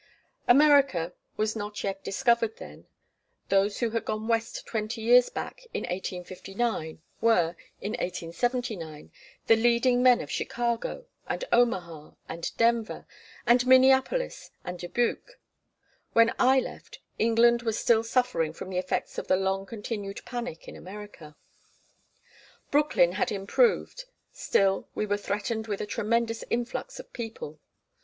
America was not yet discovered then. Those who had gone West twenty years back, in 1859, were, in 1879, the leading men of Chicago, and Omaha, and Denver, and Minneapolis, and Dubuque. When I left, England was still suffering from the effects of the long continued panic in America. Brooklyn had improved; still, we were threatened with a tremendous influx of people.